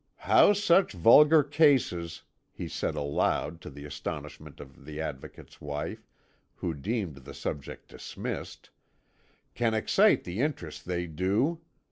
"How such vulgar cases," he said aloud, to the astonishment of the Advocate's wife, who deemed the subject dismissed, "can excite the interest they do!